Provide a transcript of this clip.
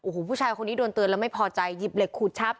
โห้ผู้ชายคนที่โดนเตือนละไม่พอใจยิบเหล็กขู่ชับ